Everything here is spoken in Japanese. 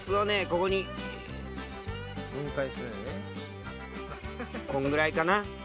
ここにこんぐらいかな